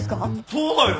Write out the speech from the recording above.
そうだよ。